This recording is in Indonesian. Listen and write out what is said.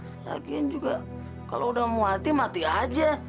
lagian juga kalau udah muati mati aja